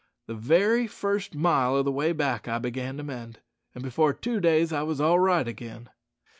The very first mile o' the way back I began to mend, and before two days I wos all right again."